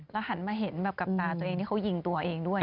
หันมาเห็นแบบกับตาตัวเองที่เขายิงตัวเองด้วย